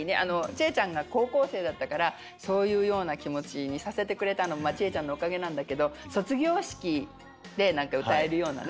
知枝ちゃんが高校生だったからそういうような気持ちにさせてくれたのも知枝ちゃんのおかげなんだけど卒業式で歌えるようなね